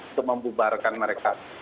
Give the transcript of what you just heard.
untuk membubarkan mereka